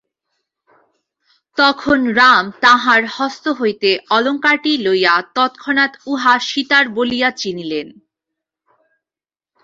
তখন রাম তাঁহার হস্ত হইতে অলঙ্কারটি লইয়া তৎক্ষণাৎ উহা সীতার বলিয়া চিনিলেন।